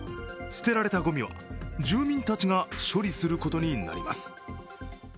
捨てられたごみは住民たちが処理することになります。